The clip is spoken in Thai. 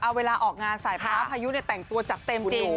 เอาเวลาออกงานสายฟ้าพายุเนี่ยแต่งตัวจัดเต็มจริง